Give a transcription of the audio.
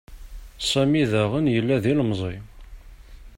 Sami daɣen yella d ilemẓi.